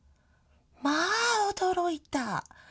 まあ、驚いた。